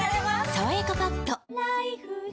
「さわやかパッド」